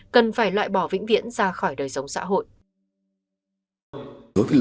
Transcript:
cần phải loại bỏ vĩnh viễn ra khỏi đời sống xã hội